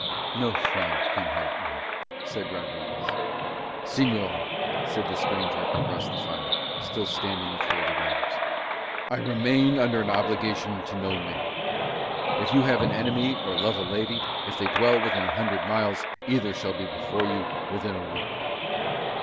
"No friend can help me," said Rodriguez. "Señor," said the stranger across the fire, still standing with folded arms, "I remain under an obligation to no man. If you have an enemy or love a lady, and if they dwell within a hundred miles, either shall be before you within a week."